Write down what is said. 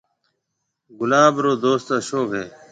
گلاب رو دوست اشوڪ ھيََََ